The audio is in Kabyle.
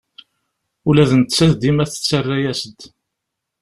Ula d nettat dima tettara-yas-d.